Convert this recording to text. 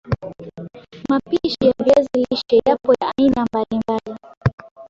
Mapishi ya viazi lishe yapo ya aina mbali mbal